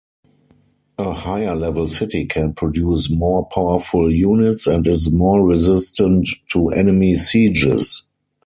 A higher-level city can produce more powerful units and is more-resistant to enemy sieges.